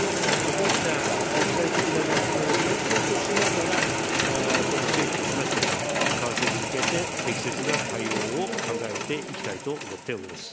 こうした国際的な連携を背景としながら、この政府としましても、為替に向けて適切な対応を考えていきたいと思っております。